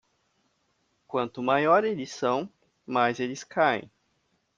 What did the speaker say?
Quanto maiores eles são, mais eles caem.